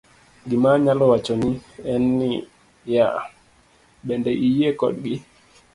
gima anyalo wacho ni en ni ya, bende iyie kodgi?'